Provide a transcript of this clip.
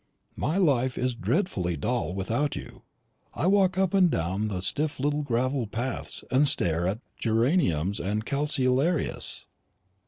My life is dreadfully dull without you. I walk up and down the stiff little gravel paths, and stare at the geraniums and calceolarias.